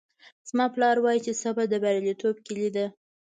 زما پلار وایي چې صبر د بریالیتوب کیلي ده